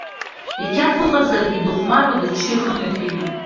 Иқьаф ыҟазаргьы дыхәмаруа дыччо ихы мҩаԥигон.